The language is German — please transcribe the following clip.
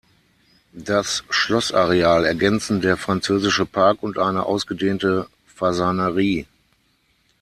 Das Schlossareal ergänzen der französische Park und eine ausgedehnte Fasanerie.